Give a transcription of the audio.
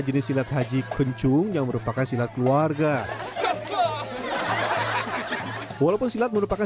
jenis silat haji kencung yang merupakan silat keluarga walaupun silat merupakan